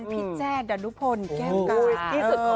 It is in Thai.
พี่แจ้ดันดุพลเก้มกัน